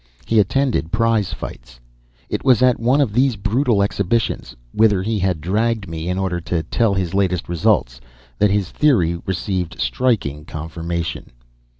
He attended prize fights. It was at one of these brutal exhibitions, whither he had dragged me in order to tell his latest results, that his theory received striking confirmation.